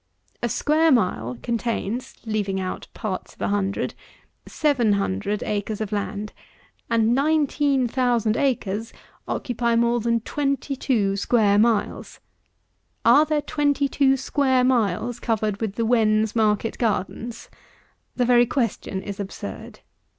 A square mile contains, leaving out parts of a hundred, 700 acres of land; and 19,000 acres occupy more than twenty two square miles. Are there twenty two square miles covered with the Wen's market gardens? The very question is absurd.